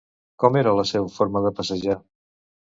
Com era la seva forma de passejar?